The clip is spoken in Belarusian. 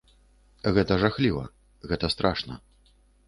Гэта жахліва, гэта страшна.